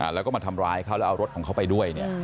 แล้วก็มาทำร้ายเขาแล้วเอารถของเขาไปด้วย